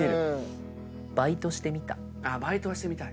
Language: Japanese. バイトはしてみたい。